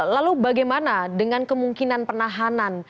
lalu bagaimana dengan kemungkinan penahanan